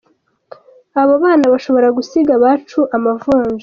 Abo bana bashobora gusiga abacu amavunja.